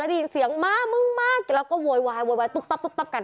แล้วได้ยินเสียงมามึงมากแล้วก็โวยวายตุ๊กตั๊ปกัน